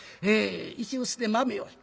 石臼で豆をひく。